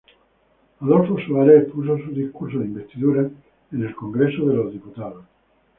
Adolfo Suárez expuso su discurso de investidura en el Congreso de los Diputados.